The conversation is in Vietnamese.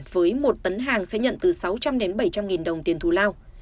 với một tấn hàng sẽ nhận từ sáu trăm linh đến bảy trăm linh nghìn đồng tiền thù lao